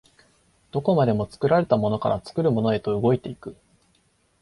どこまでも作られたものから作るものへと動いて行く。